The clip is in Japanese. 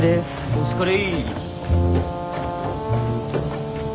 お疲れ。